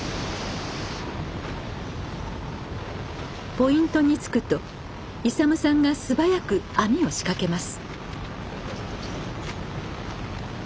ポイントに着くと勇さんが素早く網を仕掛けます。